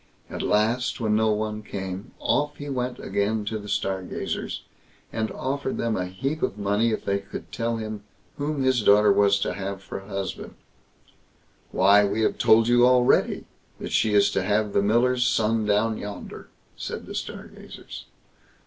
At last, when no one came, off he went again to the Stargazers, and offered them a heap of money if they could tell him whom his daughter was to have for a husband. "Why! we have told you already, that she is to have the miller's son down yonder", said the Stargazers.